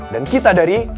dan kita dari